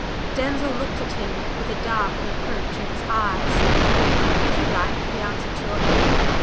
Denzil looked at him with a dark reproach in his eyes. "If you like," he answered shortly.